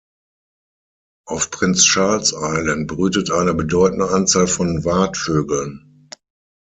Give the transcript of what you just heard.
Auf Prince Charles Island brütet eine bedeutende Anzahl von Watvögeln.